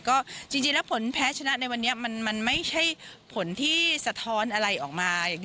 ก็จริงแล้วผลแพ้ชนะในวันนี้มันไม่ใช่ผลที่สะท้อนอะไรออกมา